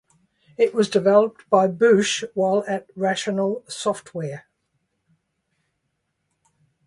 It was developed by Booch while at Rational Software.